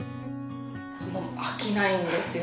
飽きないんですよ。